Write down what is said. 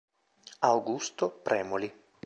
Augusto Premoli